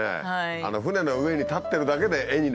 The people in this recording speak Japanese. あの船の上に立ってるだけで絵になるし。